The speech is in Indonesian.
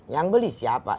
yang beli siapa